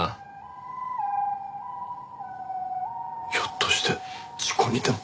ひょっとして事故にでも。